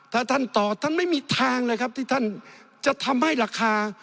ถ้าท่านต่อท่านไม่มีทางเลยครับที่ท่านจะทำให้ราคา